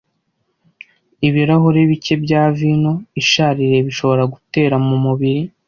Ibirahure bike bya vino ishaririye bishobora gutera mu mubiri